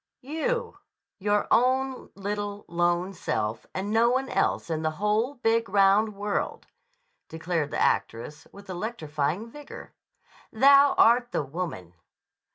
"You, your own little, lone self, and no one else in the whole big, round world," declared the actress with electrifying vigor. "Thou art the woman."